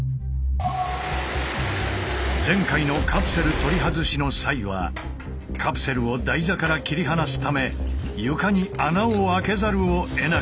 前回のカプセル取り外しの際はカプセルを台座から切り離すため床に穴を開けざるをえなかった。